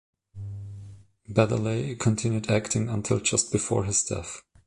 Baddeley continued acting until just before his death.